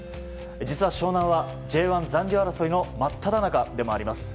実は湘南はＪ１残留争いの真っただ中でもあります。